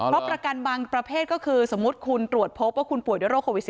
เพราะประกันบางประเภทก็คือสมมุติคุณตรวจพบว่าคุณป่วยด้วยโควิด๑๙